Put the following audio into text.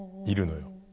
いるのよ。